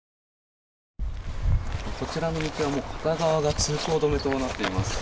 こちらの道は片側が通行止めとなっています。